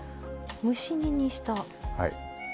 蒸し煮にした。